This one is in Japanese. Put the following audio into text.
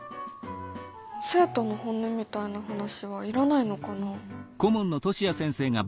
生徒の本音みたいな話はいらないのかな？